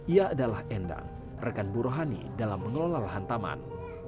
ia adalah endang rekan bu rohani dalam mengelola lahan taman